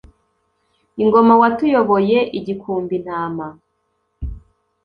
ingoma, watuyoboye igikumbi intama